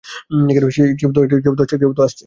কেউ তো আসছে?